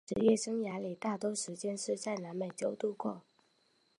他职业生涯里大多数时间是在南美洲度过。